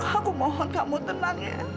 aku mohon kamu tenang ya